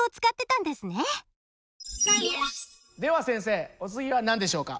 では先生お次は何でしょうか？